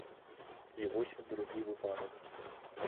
І вось другі выпадак.